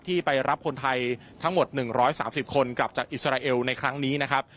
ไปรับคนไทยทั้งหมด๑๓๐คนกลับจากอิสราเอลในครั้งนี้นะครับ